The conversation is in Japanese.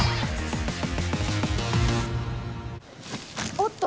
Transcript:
おっと！